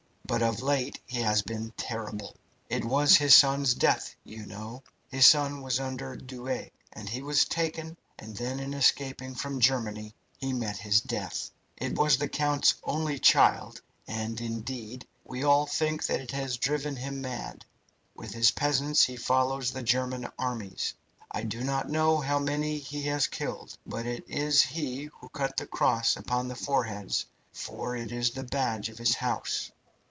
But of late he has been terrible. It was his son's death, you know. His son was under Douay, and he was taken, and then in escaping from Germany he met his death. It was the count's only child, and indeed we all think that it has driven him mad. With his peasants he follows the German armies. I do not know how many he has killed, but it is he who cut the cross upon the foreheads, for it is the badge of his house."